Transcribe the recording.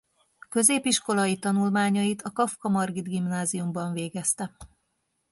Középiskolai tanulmányait a Kaffka Margit Gimnáziumban végezte.